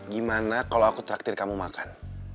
gimana kalau aku traktir kamu makan